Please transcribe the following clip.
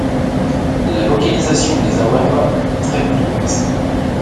La localisation des Awerba est très controversée.